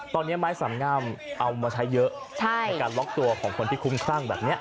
ตอนนี้ไม้สามงามเอามาใช้เยอะในการล็อกตัวของคนที่คุ้มครั่งแบบนี้